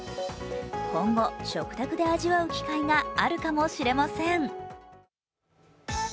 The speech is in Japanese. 今後、食卓で味わう機会があるかもしれません。